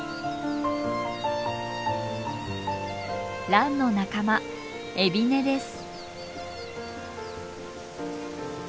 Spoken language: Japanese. ランの仲間エビネです。